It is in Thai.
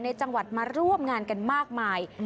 ในจังหวัดมาร่วมงานกันมากมาย